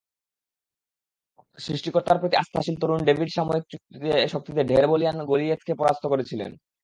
সৃষ্টিকর্তার প্রতি আস্থাশীল তরুণ ডেভিড সামরিক শক্তিতে ঢের বলীয়ান গলিয়েথকে পরাস্ত করেছিলেন।